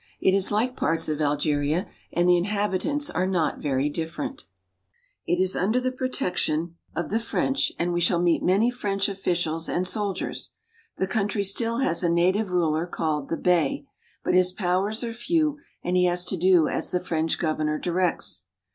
It is like parts of Algeria, and the inhabitants are not very different. It is under the i^rcs AFRICA tection of the French, and we shall meet many French officials and soldiers. The country still has a native ruler called the Bey ; but his powers are few, and he has to do as the French governor directs.